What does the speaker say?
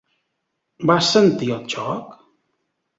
Vas sentir el xoc?